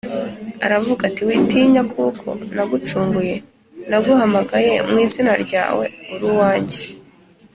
aravuga ati, “witinya kuko nagucunguye, naguhamagaye mu izina ryawe uri uwanjye